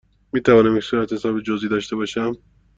می توانم یک صورتحساب جزئی داشته باشم؟